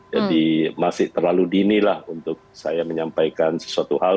jadi masih terlalu dinilah untuk saya menyampaikan sesuatu hal